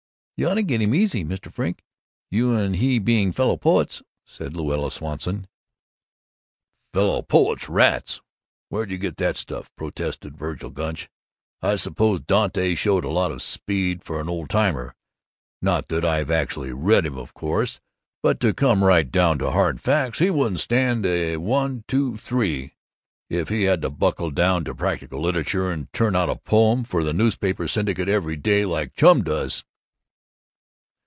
"You ought to get him easy, Mr. Frink, you and he being fellow poets," said Louetta Swanson. "Fellow poets, rats! Where d' you get that stuff?" protested Vergil Gunch. "I suppose Dante showed a lot of speed for an old timer not that I've actually read him, of course but to come right down to hard facts, he wouldn't stand one two three if he had to buckle down to practical literature and turn out a poem for the newspaper syndicate every day, like Chum does!"